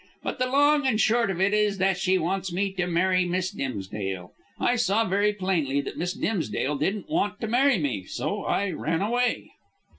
But the long and short of it is that she wants me to marry Miss Dimsdale. I saw very plainly that Miss Dimsdale didn't want to marry me, so I ran away."